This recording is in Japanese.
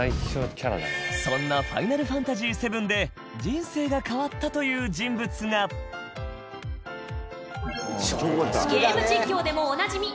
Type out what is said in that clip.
そんな『ファイナルファンタジーⅦ』で人生が変わったという人物がゲーム実況でもおなじみ